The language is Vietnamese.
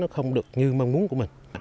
không được như mong muốn của mình